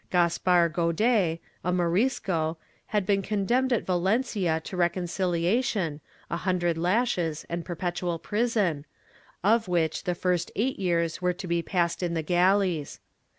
Caspar Godet, a Morisco, had been condemned at Valencia to reconciliation, a hundred lashes, and perpetual prison, of which the first eight years were to be passed in the galleys.